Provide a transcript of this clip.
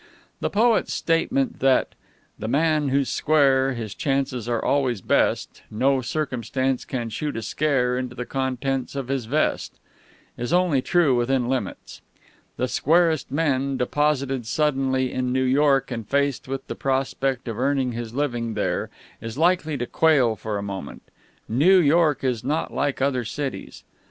The poet's statement that "the man who's square, his chances always are best; no circumstance can shoot a scare into the contents of his vest," is only true within limits. The squarest men, deposited suddenly in New York and faced with the prospect of earning his living there, is likely to quail for a moment. New York is not like other cities.